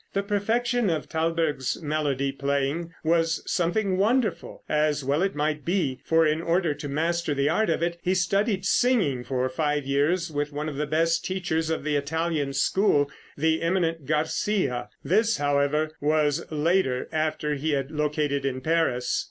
The perfection of Thalberg's melody playing was something wonderful, as well it might be; for in order to master the art of it, he studied singing for five years with one of the best teachers of the Italian school, the eminent Garcia. This, however, was later, after he had located in Paris.